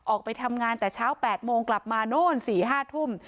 ออกไปทำงานแต่เช้า๘โมงกลับมาโน่น๔๕ทุ่ม